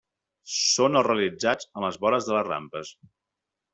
Són els realitzats en les vores de les rampes.